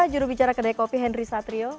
sebelum bicara kedai kopi henry satrio